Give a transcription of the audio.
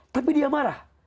tapi dia marah